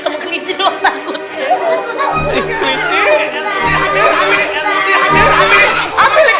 jatuh ke klinci doang takut